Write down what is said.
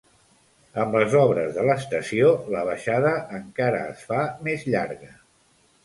Amb les obres de l'estació la baixada encara es fa més llarga